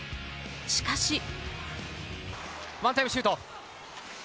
しかし。